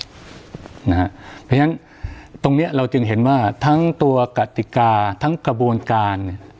เพราะฉะนั้นตรงนี้เราจึงเห็นว่าทั้งตัวกติกาทั้งกระบวนการ